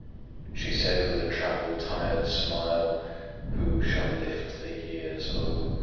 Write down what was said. She said with a travel tired smile— Who shall lift the years O!